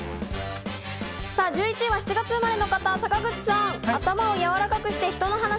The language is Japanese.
１１位は７月生まれの方、坂口さん。